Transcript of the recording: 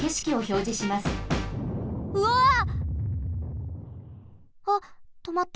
うわ！あっとまった。